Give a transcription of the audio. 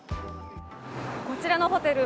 こちらのホテル